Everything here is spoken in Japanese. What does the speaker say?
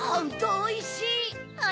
おいしい！